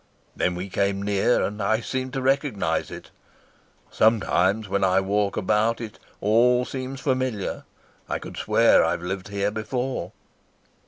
Then we came near, and I seemed to recognise it. Sometimes when I walk about it all seems familiar. I could swear I've lived here before."